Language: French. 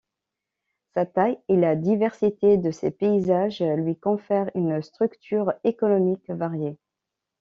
Sa taille et la diversité de ses paysages lui confèrent une structure économique variée.